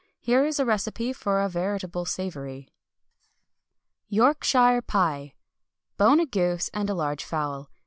Here is a recipe for a veritable savoury Yorkshire Pie. Bone a goose and a large fowl.